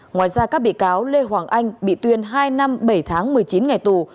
ngoài ra các bị cáo lê hoàng anh bị tuyên hai năm bảy tháng một mươi chín ngày tù